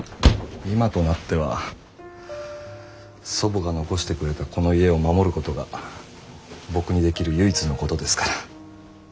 今となっては祖母が残してくれたこの家を守ることが僕にできる唯一のことですから。